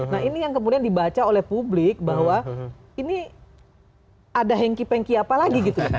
nah ini yang kemudian dibaca oleh publik bahwa ini ada hengki pengki apa lagi gitu